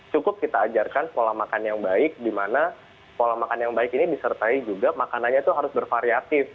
cukup kita ajarkan pola makan yang baik di mana pola makan yang baik ini disertai juga makanannya itu harus bervariatif